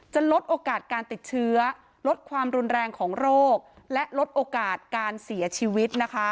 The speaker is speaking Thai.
ลดโอกาสการติดเชื้อลดความรุนแรงของโรคและลดโอกาสการเสียชีวิตนะคะ